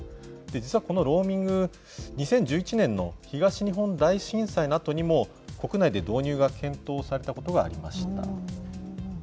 実はこのローミング、２０１１年の東日本大震災のあとにも国内で導入が検討されたことがありました。